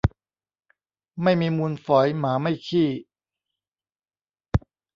ไม่มีมูลฝอยหมาไม่ขี้